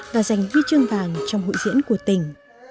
và giành huy chương vàng trong hội diễn của tỉnh